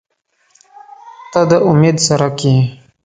• ته د امید څرک یې.